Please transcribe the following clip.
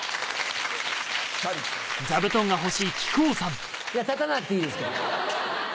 いや立たなくていいですから。